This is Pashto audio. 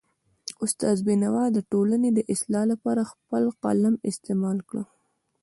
استاد بینوا د ټولنې د اصلاح لپاره خپل قلم استعمال کړ.